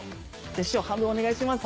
師匠半分お願いします。